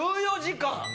１４時間。